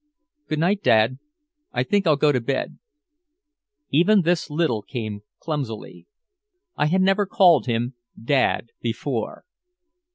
"Good night, dad I think I'll go to bed." Even this little came clumsily. I had never called him "dad" before.